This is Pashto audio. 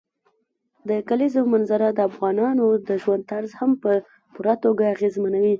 د کلیزو منظره د افغانانو د ژوند طرز هم په پوره توګه اغېزمنوي.